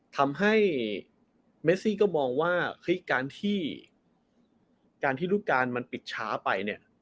ทำให้เมซิก็มองว่าการที่ฤดูการมันปิดช้าไป